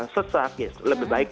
sesat ya lebih baik